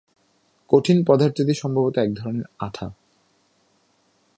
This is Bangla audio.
কঠিন পদার্থটি সম্ভবত এক ধরনের আঠা।